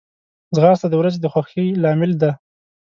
ځغاسته د ورځې د خوښۍ لامل ده